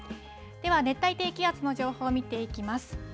では熱帯低気圧の情報を見ていきます。